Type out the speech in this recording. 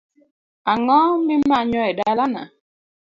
Ang'o mimanyo e dalana?